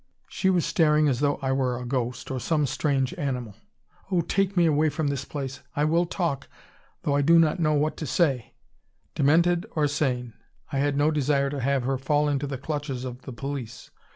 She was staring as though I were a ghost, or some strange animal. "Oh, take me away from this place! I will talk though I do not know what to say " Demented or sane, I had no desire to have her fall into the clutches of the police.